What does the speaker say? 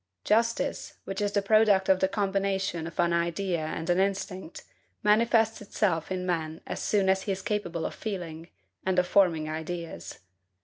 Justice, which is the product of the combination of an idea and an instinct, manifests itself in man as soon as he is capable of feeling, and of forming ideas.